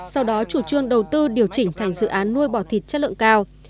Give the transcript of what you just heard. sau đó chủ trương đầu tư điều chỉnh thành dự án nuôi bò thịt chất lượng cao